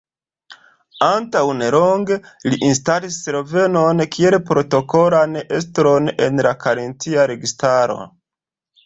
Antaŭ nelonge li instalis slovenon kiel protokolan estron en la karintia registaro.